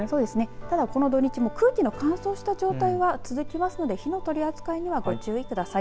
ただ、この土日も空気の乾燥した状態が続きますので火の取り扱いにはご注意ください。